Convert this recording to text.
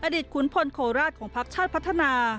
อดีตขุนพลโคราชของพักชาติพัฒนา